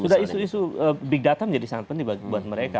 sudah isu isu big data menjadi sangat penting buat mereka